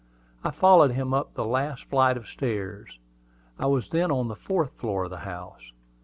I followed him up the last flight of stairs. I was then on the fourth floor of the house.